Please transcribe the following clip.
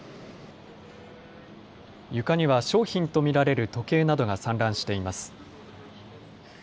床には商品と見られる時計などが散乱しています。